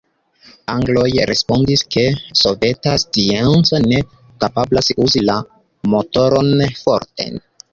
Angloj respondis, ke soveta scienco ne kapablas uzi la motoron forte.